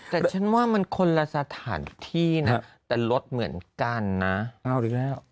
แต่ฉันว่ามันคนละสถานที่นะแต่รถเหมือนกันนะเอาอีกแล้ว